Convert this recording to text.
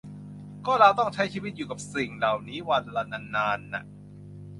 ก็เราต้องใช้ชีวิตอยู่กับสิ่งเหล่านี้วันละนานนานน่ะ